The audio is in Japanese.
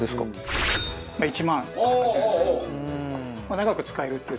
長く使えるっていう。